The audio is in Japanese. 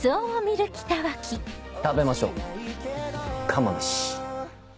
食べましょう釜飯。